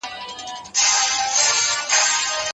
جهالت د انسان تر ټولو لوی دښمن دی.